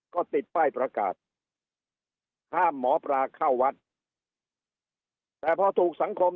ก็ติดป้ายประกาศห้ามหมอปลาเข้าวัดแต่พอถูกสังคม